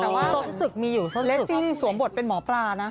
และหรือทรงสมบวชเป็นหมอปลานะ